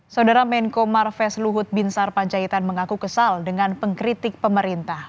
saudara menko marves luhut binsar panjaitan mengaku kesal dengan pengkritik pemerintah